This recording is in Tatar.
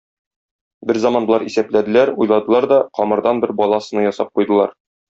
Берзаман болар исәпләделәр, уйладылар да камырдан бер бала сыны ясап куйдылар.